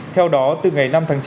theo đó từ ngày năm tháng chín